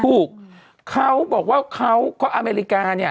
ถูกเขาบอกว่าเขาเพราะอเมริกา